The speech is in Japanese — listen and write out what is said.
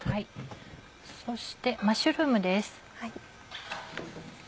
そしてマッシュルームです。